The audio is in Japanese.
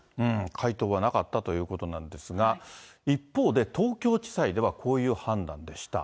回答はなかったということなんですが、一方で東京地裁ではこういう判断でした。